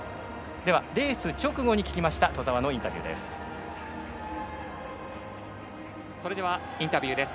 ではレース直後に聞きました兎澤のインタビューです。